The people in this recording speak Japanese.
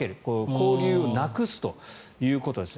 交流をなくすということです。